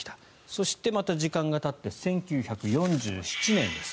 そして、また時間がたって１９４７年です。